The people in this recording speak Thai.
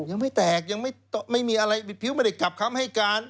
ยังไม่แตกยังไม่มีอะไรบิดพิ้วไม่ได้กลับคำให้การ